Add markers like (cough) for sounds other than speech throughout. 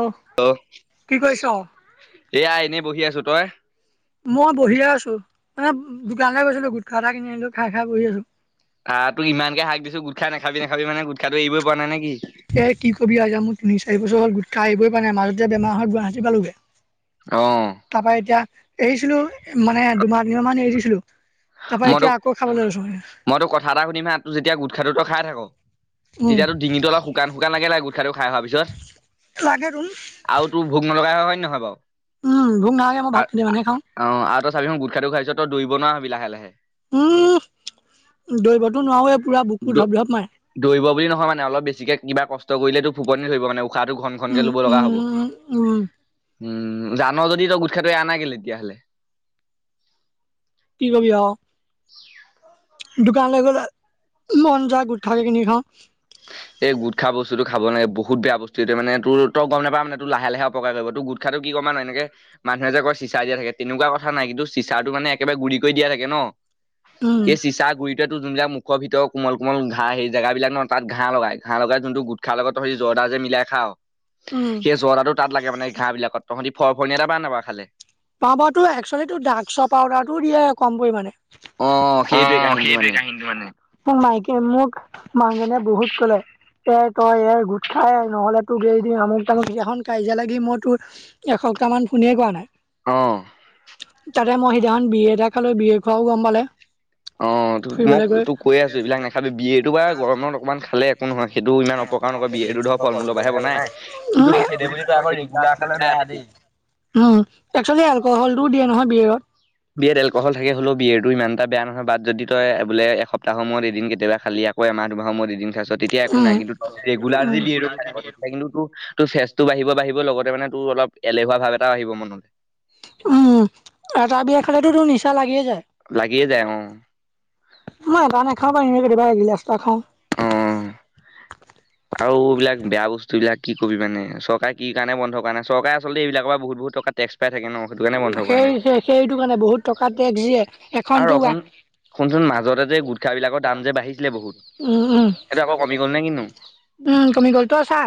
অ hello কি কৰিছ? এয়া এনেই বহি আছোঁ তই। মই বহিয়ে আছোঁ মানে দোকানলৈ গৈছিলোঁ গুটখা এটা কিনি আনিলোঁ খাই খাই বহি আছোঁ। আহ তোক ইমানকে শাক দিছোঁ গোটখা নাখিবি নাখাবি মানে গোটা এৰিবই পৰা নাই নে কি। এ কি কবি আৰু এতিয়া মোৰ তিনি চাৰি বছৰ হল গোটখা‌ এৰিবই পৰা নাই মাজতে বেমাৰ হয় গুৱাহাটী পালোগৈ। অ' তাৰ পৰা এতিয়া এৰিছিলোঁ মানে দুমাহ তিনিমাহ মান এৰিছিলোঁ। মই তোক মানে। মই তোক কথা এটা শুনিম হা তোৰ যেতিয়া গোটখাটো তই খাই থাক। উম তেতিয়াটো ডিঙিটো অলপ শুাকান শুকান লাগে নাই গোট। (unintelligible) খাই হোৱা পিছত লাগে তোন আৰু তোৰ ভোক নলগা হয় হয় নে নহয় বাৰু। উম ভোক নালাগে মই ভাত কেইটামানহে খাওঁ। অ আৰু তই চাবি হোন গোটখাটো খাইছ তই দৌৰিব নোৱাৰ হাবি লাহে লাহে। উম। দৌৰিবতো নোৱাৰোৱে পুৰা বুকু দ ধপ ধপ মাৰে দৌৰিব বুলি নহয় মানে অলপ বেছিকে কিবা কষ্ট। ত কৰিলেতো ফোপনি ধৰিব কাৰণে উশাহটো ঘন উম ঘনকে ল'ব উম লগা হব। উম উম উম জানৰ যদি তই গোটখা তো‌ এৰা নাই কেলে তেতিয়াহ'লে। (unintelligible) কি কবি আৰু। (unintelligible) (inaudible) দোকানলৈ গ'লে মন যায় গোটঠাকে (unintelligible) কিনি খাওঁ। উহ। এই গুটখা বস্তু খাব‌ নেলাগে বহুত বেয়া বস্তু এইটো মানে তই গম নাপাওঁ মানে তোৰ লাহে লাহে অপকাৰ কৰিব তোৰ গোটখাটো কৰিব। অকমান এনেকে মানুহে যে আক চিচা দিয়া থাকে তেনেকুৱা কথা নাই কিন্তু চিচাৰটো মানে একেবাৰে গুৰি কৰি দিয়া থাকে ন। উম সেই চিচাৰ গুৰিতোত যোনবিলাক মুখৰ ভিতৰ কোমল কোমল ঘাঁহ সেই জেগা বিলাক ন। তাত ঘাঁহ লগাই ঘাঁ লগাই যোনটো গুটখাৰ লগত সি জৰ্দাৰ যে মিলাই খাওঁ। উম সেই জৰ্দাটো তাত লাগে মানে ঘাঁহ বিলাকত তহঁতি ফৰফৰণি এটা পাওঁ নাপাওঁ খালে। পাওঁ বাৰু তো এক্চুৱেলিটো ড্ৰাক্স পাউদাৰ ও দিয়ে কম পৰিমাণে। সেইটোৱে অ' কাহিনীটো সেইটোৱে মানে কাহিনটো মানে মোৰ মাইক মোক। মানোজনিয়ে বহুত ক'লে। এৰ তই এৰ গোটখা নহলে তোক এৰি দিম আমুক তামান সেইখন কাজিয়া লাগি মই তোৰ। সপ্তাহান ফোনএ কৰা নাই। অঁ। তাতে মই সিদিনাখন বিয়েৰ এটা খালোঁ বিএৰ খোৱাও গম পালে। অ' ত মই ফুৰিবলৈ গৈ। তোক কৈ আছোঁ এইবিলাক নাখাবি বিয়েৰটো বাৰু গৰমত অকমান খালে একো নহয় সেইটো ইমান। অপকাৰ নকৰে ধৰ বিয়েৰটো ফল মূলৰ মূল পৰাহে পৰাই বনাই সেইটো বুলি তই আকৌ ৰেগুলাৰ খালে বেয়া দেই। উম, একচুৱেলি এলকহল টোও দিয়ে নহয় বিয়েৰত। বিয়েৰত এলক'হল থাকে হলেও বিয়েৰ। ইমানটা বেয়া নহয় বা যদি তই বোলে এসপ্তাহ সময়ত এদিন কেতিয়াবা খালি আকৌ এমাহ দুমাহ সময়ত এদিন খাইছ। তেতিয়া একো নাই উম। কিন্তু ত ৰেগুলাৰ যদি বিয়েৰ খাই থাক তেতিয়া কিন্তু তোৰ চেচটো বাঢ়িব বাঢ়িব লগতে মানে তোৰ। অলপ এলেহুৱা ভাৱ এটাও আহিব মনলৈ। উম, এটা বিয়েৰ খালোতো তোৰ নিচা লাগিয়ে যায়। লাগিয়ে যায় অ মই এটা নেখাও‌ বাৰু এনেই কেতিয়াবা এগিলাচ‌। পা খাওঁ। অ। আৰু এইবিলাক বেয়া বস্তু। বস্তুবিলাক কি কবি মানে চৰকাৰে কি কাৰণ বন্ধ কৰাই চৰকাৰে আচলতে এইবিলাকৰ বহুত বহুত টকা। টেক্স পাই থাকে ন সেইটো কাৰণে বন্ধ কৰা নাই সেই সেইটো, কাৰণে বহুত টকা টেক্স দিয়ে আৰু এখনতো। অসোন শুনচোন মাজতে যে গুটখাব বিলাকৰ দাম যে বাঢ়িছিলে বহুত। উম উম সেইটো আকৌ কমি গ'ল নে কিনো? উম, কমি গ'লতো আছা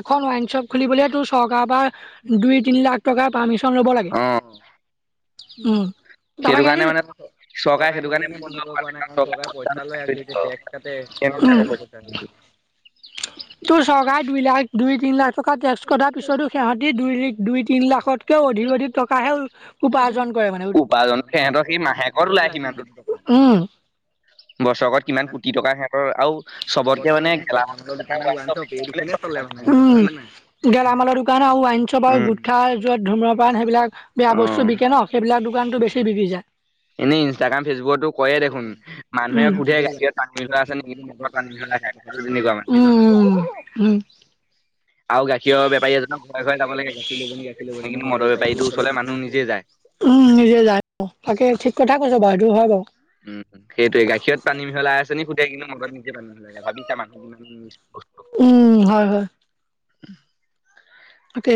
এখন ৱাইন শ্বপ খুলিবলৈ তোৰ চৰকাৰ। তাৰ পৰা দুই তিনি লাখ টকাৰ পাৰ্মিশচন ল'ব লাগে। অ উম দাবাই সেইটো খাই কাৰণে দে। মানে চৰকাৰে সেইটো কাৰণে বন্ধ কৰিব পৰা নাই কাৰণ চৰকাৰে পইচা লৈ আছে। উ তোৰ চৰকাৰে দুই লাখ দুই তিনি লাখ টকা টেক্স কটা পিছতো সিহঁতি দুই দুই তিনি লাখতকৈ অধিক অধিক টকাহে উপাৰ্জন কৰে মানে উপাৰ্জন সিহঁতৰ সেই মাহেকত উপ্ উম বছৰকত কিমান কোটি টকা সিহঁতৰ আৰু চবতকে মানে গেলা উম গেলামালৰ দোকান আৰু আইন চপ উম গুটখা, যত ধুমপান সেইবাক বেয়া অ বস্তু বিকে ন সেইবিলাক দোকানতো বেছি বিক্ৰী যায়। এনেই ইনষ্টাগ্ৰাম ফেচবুকতো যটো কয়ে কৰে দেখ দেখোন প মানুহে সোধে গাখীৰত পানী মিলোৱা আছে নেকি মগৰ পান পানী বি (unintelligible) মিলোৱা আছে তেনেকুৱা মানে উম উম উম। আৰু গ গাখীৰৰ বেপাৰী ঘৰৰ এজনৰ যাব ঘৰে ঘৰে যাব লাগে গ ল ম কিন্তু মদৰ বেপাৰীটোৰ ওচৰলে মানুহ নিজে যায় নিজে য তাকে ঠিক কথা কৈছ। বাহদেউ হয় বাৰু। উম উম। এতিয়া গা কত পানী হল আছে নেতিয়া কিন্তু মদত নিজে পানী ভাবিছা মানুহ মদত কিমান। উম হয় হয়। ছ্ (unintelligible) তাকে।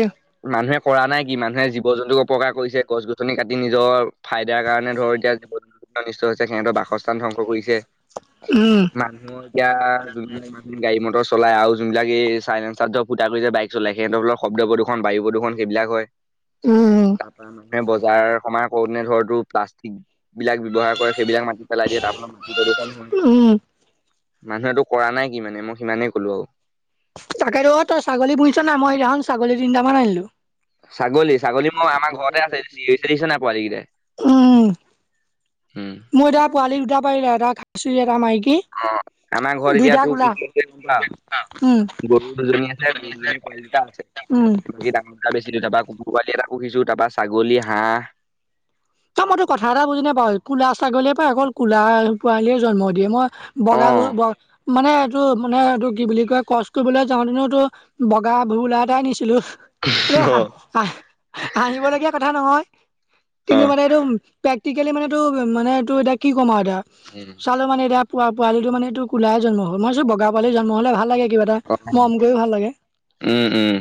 মানুহে কৰা নাই কি মানুহে জীৱ জন্তুক অপকাৰ কৰিছে গছ গছনি কাটি নিজৰ ফাইদাৰ কাৰণে ধৰ এতিয়া জীৱ জন্তু। অনিষ্ট হৈছে সিহঁতৰ বাসস্থান ধ্বংস কৰিছে উম, না এতিয়া। গাড়ী মটৰ চলাই আৰু যোনবিলাক চাইলেঞ্চাদ ফুটা কৰি যোইক চাই সিহঁৰ শব্দ প্ৰদূষণ বায়ু প্ৰদূষণৰ এইবিলাক হয়। উম। বজাৰ সমাৰ কৰোতে ধৰ তো প্লাষ্টিক বিলাক ব্যৱহাৰ কৰে সেইবিলাক চলাই দিয়ে। উম, মানুহটো কৰা নাই কি মানে মই সিমানেই কলো আৰু তাকেত তো অ তই ছাগলী বুহিছ নাই মই সদিনাখখন ছাগলী তিনটামান আনিলো। ছাগলী ছাগলী মই আমাৰ ঘৰতে আছে চিঞৰি ছে নাই পোৱালি কেইটাই। উম মোৰ এটা পোৱালি দুটা পাৰিলা এটা খাইছো এটা মাইকী আমাৰ ঘৰত এতিয়া দুইটা তোৰ কি কলা কৰিছে চা, দুজন ক বেছি দিওঁ তাৰ কুকুৰ পোৱালী এটা পহ শশডাকো সিজছো তাৰাপা ছাগলী হাঁহ তই মই তো কথা এটা বুজি নাপাওঁ কোলা ছাগলীয়ে পাই অকল কলা পোৱালিয়ে জন্ম দিয়ে মই, অ বগা বহু ব মানে এইটো মানে এইটো কি বুলি কয়। তোৰ বোলে জন্মটো বগাগুৰুলা আটাই নিএ অ হা হা। হাঁহিব লগীয়া কথা নহয়। অ কিন্তু মানে এইটো প্ৰেক্টিকেলি মানে এইটো মানে এইটো এতিয়া কি কম আৰু এয়া চালো মানে এতিয়া। পোৱালিটো মানেএইটো কলাই জন্ম হ'ল বগা পোৱালিটো জন্ম হলে ভাল লাগে। কিবা এটা মৰম গৈও ভাল লাগে। উম, উম,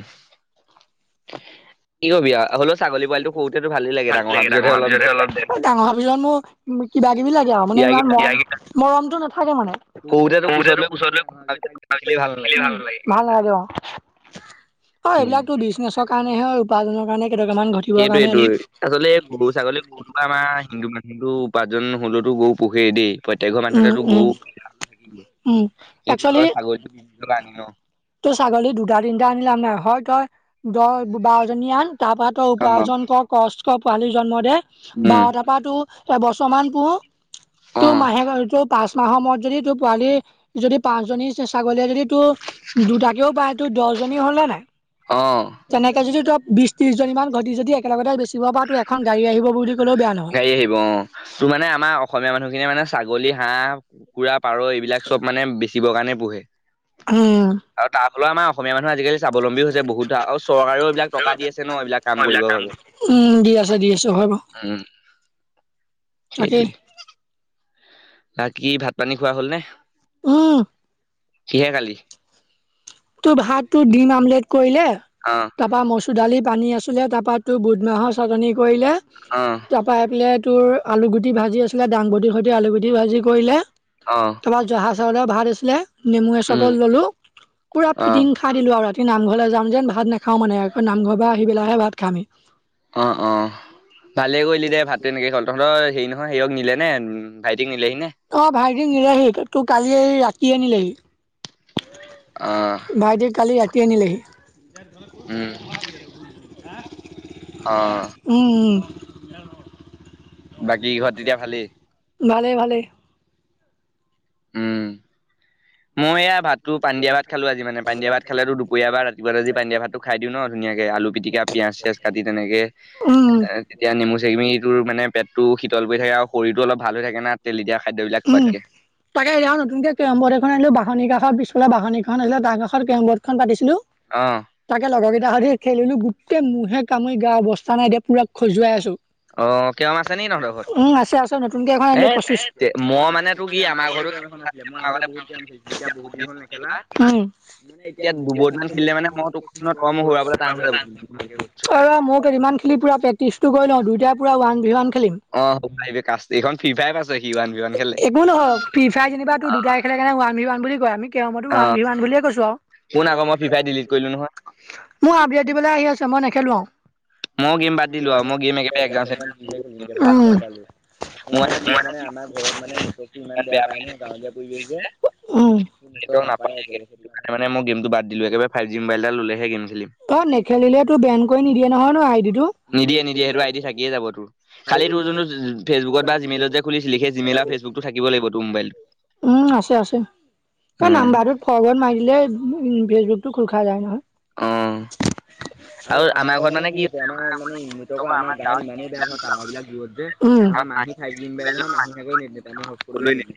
কি কবি আৰু হ'লেও ছাগলী পোৱালিটো সৰুতেতো ভালেই লাগে ভাল লে হোৱাৰ ডাঙৰ পিছতহে অলপ হল ডাঙৰ হোৱা পাছত মো। কিবা কিবি লাগে আৰু মানে ইমান ইয়াৰকেইটা মৰম মৰমতটো নাথাকে মানে। সৰুতেতো সৰুতে লৈ টো কোচত দেখিলেই লৈ ভাল নালাগে পঢ়া ভাল লাগে। হয় এইবিলাকো বিজনেছৰ কাৰণেহে হয় উপাজনৰ সেইটোয়ে আচলতে গৰু ছাগলী গৰুত আমাৰ হিন্দু মানুহটো। পাঁচজন হ'লতো গৰু পোহিয়েই দেই, প্ৰত্যেক উম মানুহেতো গও উম উম কিন্ত ছাগলী আ তোৰ ছাগলী দুটা তিনিটা আন লাম নাই দ বাৰজনীন তাৰ পৰা তই অ উপাৰ্জন কৰ কস্ পোৱালি জন্ম দে উম বাৰ তাপা তোৰ পোহ এবছৰমান পোহ অ তোৰ মাহেক তোৰ পাঁচ মাহৰ মূৰত যদি তোৰ পোৱালি যদি পাঁচজনী ছাগলীয়ে যদি তোৰ দুটাকে সটো দহজনী হলে নাই অ অ তেনেকে যদি ত বিশ ত্ৰিশ জনী মান ঘটি যদি একগ বেয়া নহয়। গাড়ী আহিব অ তোৰ মানে আমাৰ অসমীয়া মানুহখিনিয়ে মানে। ছাগলী হাঁহ কুকুৰা পাৰ এইবিলাক চব মানে বেচিবৰ কাৰণে পোহে উম, আৰু তাৰ ফালও আমাৰ অসমীয়া মানুহ ানহ আজিকালি স্বলম্বী হৈছে বহুত ধা আৰু চৰকাৰেও এইবাক টকা দি আছে ন এইবিলাক কাম কৰিবৰ বাবে উম দি আছে দি আছো হয় বাৰু। উম তাকেই সেইটোৱে ব কি ভাত পানী খোৱা হ'ল নে কিহে উম খালি তোৰ ভাত ত দিম আমলেট। কৰিলে অ তাৰ পৰাা মচুৰ দালি পানী আছিলে তাৰ পৰাা তোৰ বুধমাহৰ চাটনি কৰিলে অ তাৰপৰা আহি পেলাই তোৰ আলুগুটি ভাজি আছিলে দাংবটিৰ সৈতে আলুগুটি ভাজি কৰিলে। অ তাৰপা জহা চাউলৰ ভাত আছিলে নেমু এ উম চকলল ললো পুৰা অ ফিটিং খাই দিলো আৰু ৰাতি নামঘৰ যাম যেন ভাত নাখাও মানে আকৌ নামঘৰ বা আহি পেলাহে ভাত খামি। অ অ ভালে দে ভাতটো এনেকে হল তহঁতৰ হে নহয় সেয়ক নিলে নে ভাইট। অ ভাইটি নিলোহি তোৰ কালি ৰাতিয়ে অ আনিলেহি ভাইটেউ কালি ৰাতি আনিলেহি। উম অ উম উ জ বাকী ঘৰত তেতিয়া ভালেই। ভালে ভালে উম মই এয়া ভাত ত পাণদীয়া ভাত খালো আজি মানে পাণদীয়াত খালে দুপৰীয়াাৰ ৰাতিপুৱ আজি পাণদীয়াত খাই দিওঁ ন ধুনীয়ে আলু পিতিকা পিয়াজ পিয়াজ চিয়াজ কাটি তেনেকে উম এ তেতিয়া নেমু চেমু পকীটো মানে পেটটো শীতল পৰি থাকে আৰু শৰীৰটো অলপাল থাকো তেল দিয়া উম তাকে এয়াখ নতুনকে কেম্ব এখন আনিলো বাহন কাষৰ পিছালে বাহনি কা খনেৰ কেমবৰ্ডখন পাতি অ তাকে লগৰ কেইটা সধ খেলিলো গোটেই মহে কামুৰি গা অৱস্থা নাই দে পুৰা খজুৱাই আছো অ কেৰম আছে নি তহঁতৰ ঘৰত উ আছে আছে নতুনকেই এখন হে আনিলো পঁচিছ মই মানে কি কি আমাৰ ঘৰত ক এখন আছিলে মই আগতে বহুত দছিল যেয়া বুত দিন হল নেখেলা। মে এতিয়া দু দুবৰ্ডমান খেলিলে মানে তোক কৈছো মই নহয় তই মোক হৰুৱাবলৈ টান হৈ যাব ক মই ই খেলি পৰা প্ৰে্টিছ টো গৈ লওঁ দুইটাৰ পৰা ৱান ভ ৱান খিম অ হ'ব আহিব কা এইখন ফিফাই আছে একো নহওক পি ফাই যেনিবা ত দুটাই খেলে কাওণে ওৱান ওৱান বুলি কয় আমি ক মইতো অ আনান বুলিয়ে কৈছো শুন আৰু আকৌ মই ফ্ৰী ফায়াৰ ডিলিট কৰিলো নহয় মোৰ আপডিয়াৰ দিবলৈ আহি আছে মই নেখেলোৱাও ম। (inaudible) (unintelligible) মোৰ মানে কি আমাৰ ঘৰত মানে বস্তু ইমান বেয়া পায় ন গাঁৱলীয়া পৰিৱেশ যে কনোও নেটৱৰ্ক নাপায় নাপায়গে একেব সেইটো কাৰণে মানে ম্ধ মই গেমটো বাদ দিলো একেবাৰে ফাইভ জি মোবাইল এটা ল'লেহে গেম খেলিম অ নেখেলিলে তো বেন কৰি নিদিয়ে নহয় ন আই ডিটো নিদিয়ে নিদিয়ে সেইটো আই ডি থাকিয়ে যাব তোৰ খালি তোৰ যোনটো ফেচবুকত বা জিমেইলত যে খুলি জি মেইল আৰু ফেচুকতো থাকিব লাগিবটো মোবাইল। উম আছে আছে। এই উম নাম্বাৰটোত ফত মাৰ দিলে উ ফেচবুকতো খোল খা যায় নহয় অ আৰু আমাৰ ঘৰত মানে কি হৈছে আমাৰ মানে ইহত আকৌ আমাৰ ডাঙত গাঁৱত ইমানেই বেয়া ন টাৱঙা বিলাক জত যে। ইমান মাহী খাই দিম বাই মোবাইল সকলোৱে নহয় নিদিয়ে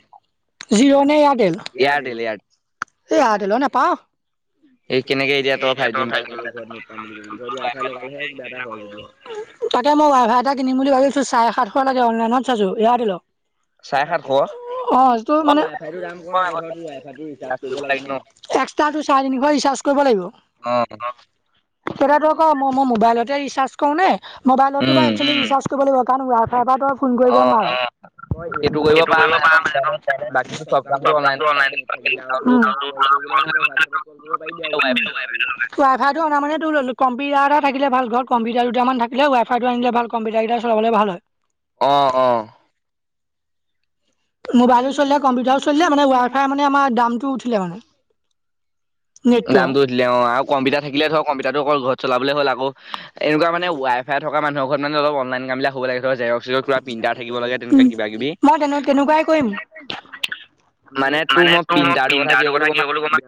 জিঅ নে এয়াৰ তেল এয়াৰটেল এই এয়াৰতেল নেপাওঁ। এ (unintelligible) তাকে চাৰে মই ৱাই ফাই এটা কিনিম বুলি ভাবিছোঁ চাৰে সাতশ লাগে অনলাইনত চাইছোঁ এয়াতেল (inaudible) অ তোৰ মানে চেষ্টা মই তো আগত চাৰে কাজ তিনিশ কৰিব লাগে ন ৰিচাৰ্ কৰিব লাগিব। অ তো তাতো আকৌ মো মো মোবাইলত ৰিচাৰ্জ কৰো নে মোবাইলতো উম একশ্যেলি ৰিচাৰ্জ কৰিব লাগিব কাৰণ ৱাই ফাই পৰা তই ফোন কৰিব অ নোৱাৰ হয় সেই এইটো সেইটো কৰিব পাৰা মানে একদম মোবাইলত নথিলে বাকীটো চব কামটো অনলাইন ৱাই ফাই টো অনা মানে টোৰ কম্পিউটাৰ থাকিল ভালৰ ঘৰত কম্পিউাৰ দুটামান থাকিলে ৱাই ফাই টো আনিল ভাল গাড়ী ডাল চলাবলে ভাল হয় অ অ মোবাইলো চলিলে কম্পিউটাৰো চলিলে মানে ৱাইফাই মানে আমাৰ দামটো উঠিলে মানে নেটটো দামটো উঠিলে অ আৰু কম্পিটাৰ থাকিলে ধৰক কম্পিউটাৰটো অকল ঘৰত চলাবলে হ'ল আও এনেকুৱা মানে ৱাই ফাই থকা মানুহৰ ঘৰত মানে অলপ অনলাইন কামবিলাক হ'ব লাগে ধৰক জেৰক্স চেৰক্স কিবা প্ৰিন্টাৰ থাকিব লাগে তেনেকুৱা কিবা কিবি মই তেনে তেনেকুৱাই কৰিম তোৰ মানে মই প্ৰিন্টাৰটোৰ কথা কিয় ক'লো গম উম পাৱ?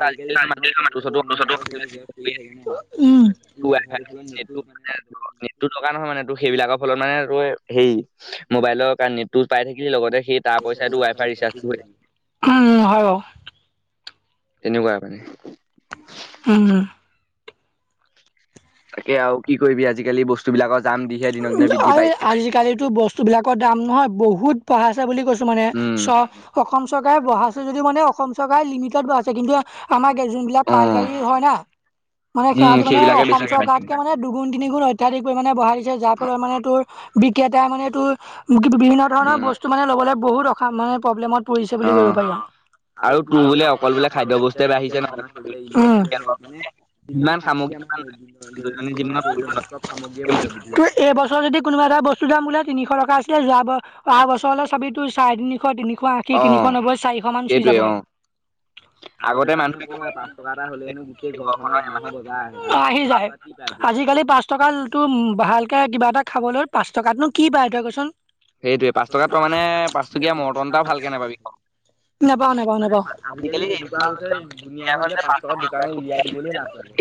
আজি আজিকালি ধৰ মানুহে ফটো চটো কালি (unintelligible) উম নেটটো নেটটো দকা নহয় মানে টো সেইবিলাকক ফলত মানে ত হেৰি মোবাইলৰ কাৰ নেটটো পাই থাকিলে লগতে সেই তাৰ পইচাটো ৱাই ফাই উ ৰিচাৰ্জটো হৈ থাকে হয় বাৰু তেনেকুৱাই মানে উমম। তাকে আৰু কি কৰিবি আজিকালি বস্তুবিলাকত এই আজিকালিতো বস্তু বিলাকৰ দাম নহয় বহুত বঢ়াইছে বুলি কৈছোঁ। তো মানে উম চৰ অসম চৰকাৰে বঢ়াইছে যদি মানে অসম চৰকাৰে লিমিটত বঢ়াইছে কিন্তু আমাৰ গেজু বিলাক অ পাইকাৰী হয় না মানে উম সিহঁতি মানে সেইবিলাকে অসম বেছি খাইছে চৰকাৰতকে মানে। পৰিমণে বঢ়াই দিছে যাৰ ফলত মানে তোৰ বিক্ৰেতা মানে এই তোৰ বিভিন্ন ধৰণৰ উম বস্তু মানে ল'বলৈ বহুত মানে প্ৰব্লেমত পৰিছে বুলি অ পাৰি আৰু তোৰ বোলে অকল বোলে খাদ্য বস্তুৱে বাঢ়িছে নহয় উম ইমান সামগ্ৰী দৈনন্দিন জীৱনত প্ৰয়োজন। (unintelligible) তোৰ এইবছৰ যদি এশ আশী অ তিনিশ নব্বৈ চাৰিশ মান চুই সেইটোৱে অ যাবগে (unintelligible) আগতে মানুহে ক পাঁচ টকা এটা হ'লে হেনো গোটেই ঘৰখনৰ এমাহৰ বজাৰ অ আহি যায় আজিকালি পাঁচ টকা টো ভালকে কিবা এটা খাবলৈ পাঁচ টকাতনো কি পাই তই কচোন। সেইটোৱে পাঁচ টকা তই মানে পাঁচ টকীয়া মৰ্টন এটা ভালকে নাপাবি নেপাওঁ নেপাওঁ নেপাওঁ। আজিকালি এনেকুৱা হৈছে, ধুনীয়াখন যে পাঁচ টকাৰ দোকানখন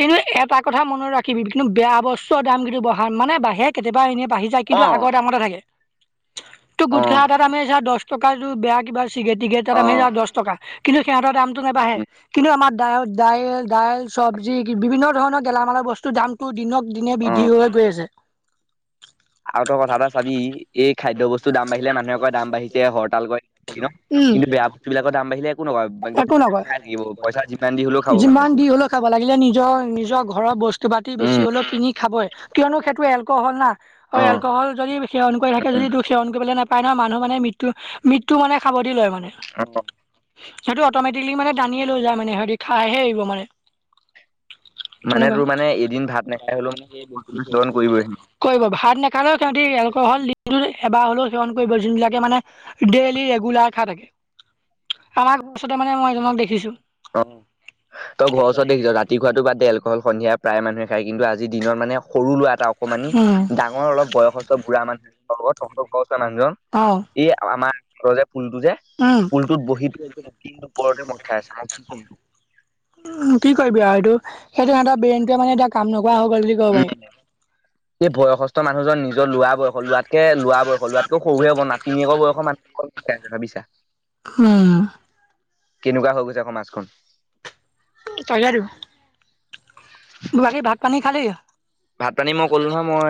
এনেও এটা কথা মনত ৰাখিবি কিন্তু বেয়া বস্তুৰ দাম কিন্তু বঢ়া মানে বাহিৰে কেতিয়াবা এনেই। বাঢ়ি যায় অ কিন্তু আগৰ দামতে থাকে ত অ গোটখা এটা দাম আমি চাওঁ দছ টকাটো বেয়া কিবা চিগেট টিগেট এটা অ দাম দছ টকা সিহঁতৰ দামটো নাবাঢ়ে কিন্তু আমাৰ দাই দাইল দাইল চব্জি বিভিন্ন ধৰণৰ গেলামালৰ বস্তু দিনে অ বৃদ্ধি হৈ হৈ গৈ আছে (inaudible) (unintelligible) এটা চাবি এই খাদ্য বস্তুৰ দাম বাঢ়িলে মানুহে কয় দাম বাঢ়িছে হৰতাল কৰে ন কিন্তু বেয়া বস্তুবিলাকৰ দাম বাঢ়িলে একো নকয় একদম একো নকয় খাই থাকিব পইচা যিমান দি হ'লেও খাব মানে যিমান তোৰ দি হ'লেও খাব লাগিলে ন নিজৰ নিজৰ ঘৰৰ বস্তু পাতি বেছি উম হ'লেও কিনি খাবই কিয়নো। সেইটো এলক'হল না আৰু অ এলক'হল যদি সেৱন কৰি থাকে যদি উম তোক সেৱন কৰিবলে নাপায় ন মানুহ মানে ম মৃত্যু মানে সাবটি লয় মানে। অ সেইটো অটমেটিকি মানে টানিয়ে লৈ যায় মানে স খাইহে আহিব মানে (unintelligible) মানে তেনেকুৱা তোৰ মানে এদিন ভাত নাখাই হ'লেও মানে স সেৱন কৰিবই কৰিব ভাত নেখালেও সিহঁতি এলকহল লিডু এবাৰ হ'লেও সেৱন (unintelligible) যোনবিলাকে মানে ডেইলি ৰেগুলাৰ খাই থাকে আমাৰ চতে মানে মই এজনক দেখিছো অ তই ঘৰওচৰত দেখিছ ৰাতি খুৱাটো বাতদে এলকহল সন্ধিয়া প্ৰায় মানুহে খায় কিন্তু আজি আজি দিনত মানে সৰু ল'ৰা এটা অকমানি উম ডাঙৰ অলপ বয়সস্থ বুঢ়া মানুহৰ লগত বয়সস্থ (unintelligible) মানুহজন অ এই আমাৰ ঘৰৰ যে পুলটো যে উম পুলটোত বহি দিন দোপৰতে মদ খাই আছে অ। উ কি কৰিবি আৰু এইটো সেইটো সেহঁতৰ ব্ৰেইটোৱে মানে এতিয়া কাম নকৰা হৈ গ'ল বুলি আছে ক'ব পাৰি। এই বয়সস্থ মানুহজন নিজৰ লোৱা বয়স লোৱাতকে লোৱা বয়স লোৱাতকে সৰুহে হ'ব নাতিনীয়েক বয়সৰ মানুহ ভাবিছা। উ কেনেকুৱা হৈ গৈছে আকৌ সমাজখন সেইটোৱেটো বাকীৰ ভাত পানী ভাত পানী মই ক'লো নহয় মই খালি